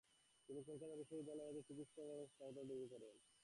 তিনি কলকাতা বিশ্ববিদ্যালয় হতে তিনি চিকিৎসাবিদ্যায় স্নাতকোত্তর ডিগ্রী অর্জন করেন।